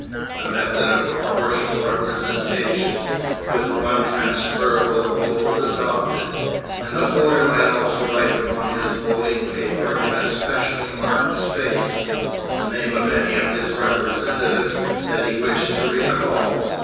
The method of proportional representation with one transferable vote was adopted, and the voter might also write upon his voting paper in a specially marked space, the name of any of his representatives that he wished to recall.